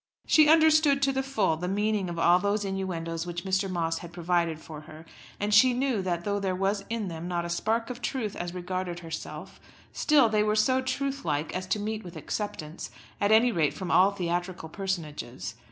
She understood to the full the meaning of all those innuendoes which Mr. Moss had provided for her; and she knew that though there was in them not a spark of truth as regarded herself, still they were so truth like as to meet with acceptance, at any rate from all theatrical personages.